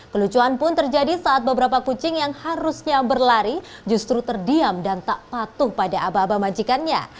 kelucuan pun terjadi saat beberapa kucing yang harusnya berlari justru terdiam dan tak patuh pada aba aba majikannya